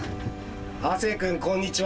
亜生君こんにちは。